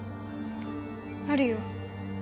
あるよ